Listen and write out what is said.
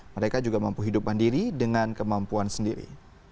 mereka juga mampu hidup mandiri dengan kemampuan sendiri